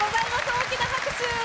大きな拍手。